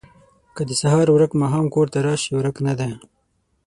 ـ که د سهار ورک ماښام کور ته راشي ورک نه دی